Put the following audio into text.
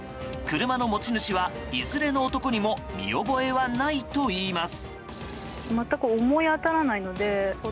車の持ち主はいずれの男にも見覚えはないといいます。